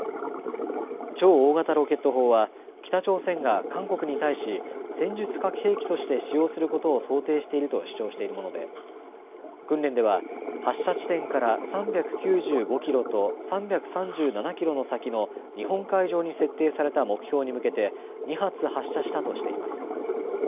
超大型ロケット砲は北朝鮮が韓国に対し戦術核兵器として使用することを想定していると主張しているもので訓練では発射地点から３９５キロと３３７キロの先の日本海上に設定された目標に向けて２発発射したとしています。